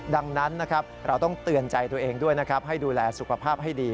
ดังนั้นนะครับเราต้องเตือนใจตัวเองด้วยนะครับให้ดูแลสุขภาพให้ดี